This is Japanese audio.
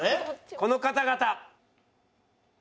この方々。